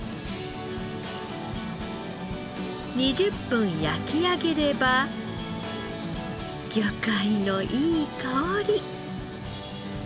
２０分焼き上げれば魚介のいい香り。